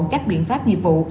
các biện pháp nghiệp vụ